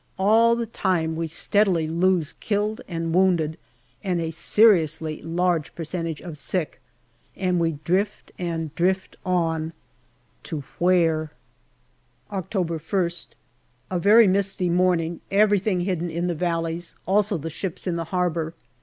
All the time we steadily lose killed and wounded and a seriously large percentage of sick, and we drift and drift on. To where ? OCTOBER October 1st. A VERY misty morning, everything hidden in the valleys, also the ships in the harbour.